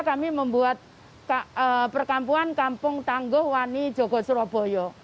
kami membuat perkampungan kampung tanggo wani jogos roboyo